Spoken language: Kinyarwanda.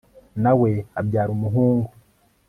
na we abyara umuhungu